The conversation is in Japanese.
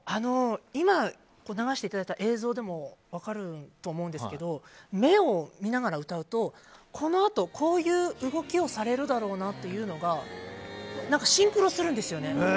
今、流していただいた映像でも分かると思うんですけど目を見ながら歌うとこのあとこういう動きをされるだろうなというのがシンクロするんですよ。